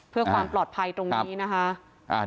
เพื่อความปลอดภัยตรงนี้นะคะ